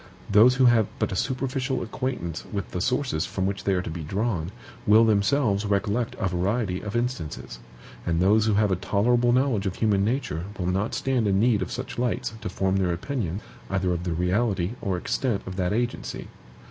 Those who have but a superficial acquaintance with the sources from which they are to be drawn, will themselves recollect a variety of instances; and those who have a tolerable knowledge of human nature will not stand in need of such lights to form their opinion either of the reality or extent of that agency.